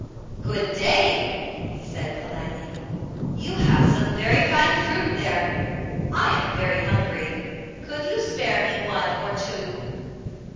"Good day," he said politely, "you have some very fine fruit there! I am very hungry, could you spare me one or two?"